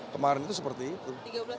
kemarin itu seperti itu